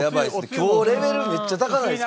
今日レベルめっちゃ高ないですか？